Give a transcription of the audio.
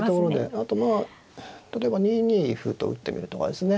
あとまあ例えば２二歩と打ってみるとかですね